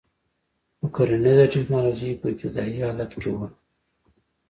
خو کرنیزه ټکنالوژي په ابتدايي حالت کې وه